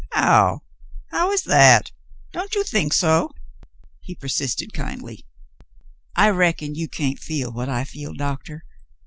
"How — how is that? Don't you think so?" he per sisted kindly. "I reckon you can't feel what I feel, Doctor.